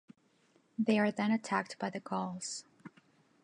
They are then attacked by the Gauls.